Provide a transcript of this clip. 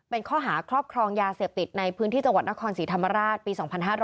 เป็นข้อหาครอบครองยาเสพติดในพื้นที่จังหวัดนครศรีธรรมราชปี๒๕๕๙